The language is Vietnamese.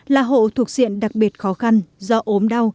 là hộ thuộc diện đặc biệt khó khăn do ốm đau